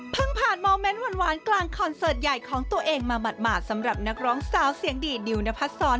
ผ่านโมเมนต์หวานกลางคอนเสิร์ตใหญ่ของตัวเองมาหมาดสำหรับนักร้องสาวเสียงดีนิวนพัดศร